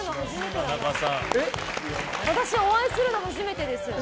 お会いするのは初めてです。